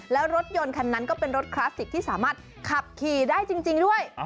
แล้วรถยนต์คันนั้นก็เป็นรถคลาสสิกที่สามารถขับขี่ได้จริงด้วย